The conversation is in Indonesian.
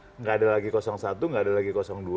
tidak ada lagi satu nggak ada lagi dua